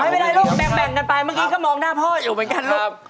ไม่เป็นไรลูกแบ่งกันไปเมื่อกี้ก็มองหน้าพ่ออยู่เหมือนกันลูก